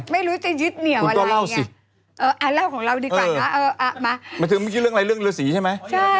ไม่รู้จะยึดเหนี่ยวอะไรยังไง